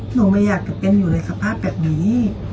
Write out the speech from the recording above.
หนูไม่อยากจะเป็นอยู่ในสภาพแบบนี้